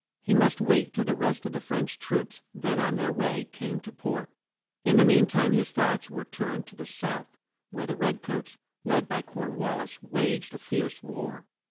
He must wait till the rest of the French troops, then on their way, came to port. In the mean time his thoughts were turned to the South, where the red coats, led by Corn wal lis, waged a fierce war.